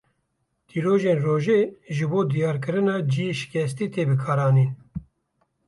Tîrojên rojê ji bo diyarkirina ciyê şikestî tê bikaranîn.